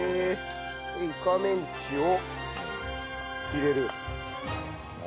でイカメンチを入れる。